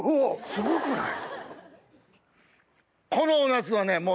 すごくない？